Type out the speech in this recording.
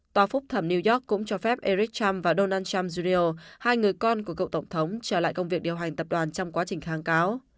tòa phúc thẩm new york cũng cho phép eric trump và donald trump jio hai người con của cựu tổng thống trở lại công việc điều hành tập đoàn trong quá trình kháng cáo